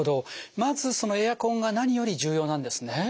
まずそのエアコンが何より重要なんですね。